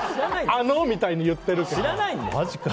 あのみたいに言ってるけど。